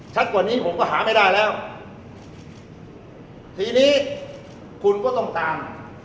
กว่านี้ผมก็หาไม่ได้แล้วทีนี้คุณก็ต้องตาม